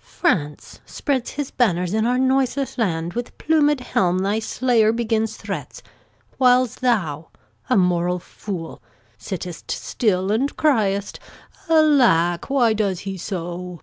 France spreads his banners in our noiseless land, With plumed helm thy state begins to threat, Whiles thou, a moral fool, sit'st still, and criest 'Alack, why does he so?'